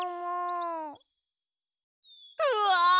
うわ！